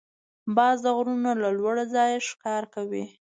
باز د غرونو له لوړ ځایه ښکار کوي